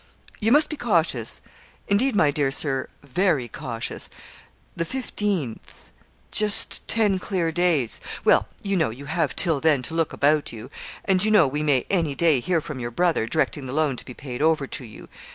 You must be cautious; indeed, my dear Sir, very cautious. The fifteenth just ten clear days. Well, you know you have till then to look about you; and you know we may any day hear from your brother, directing the loan to be paid over to you.